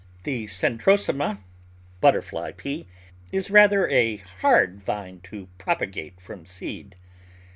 The Centrosema (Butterfly Pea) is rather a hard vine to propagate from seed.